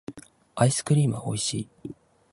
アイスクリームはおいしい